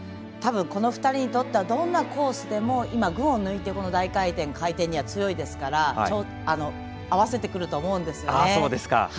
この２分にとってはどんなコースでも群を抜いて大回転、回転には強いですから合わせてくると思うんですよね。